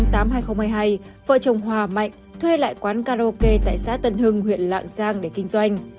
năm hai nghìn hai mươi hai vợ chồng hòa mạnh thuê lại quán karaoke tại xã tân hưng huyện lạng giang để kinh doanh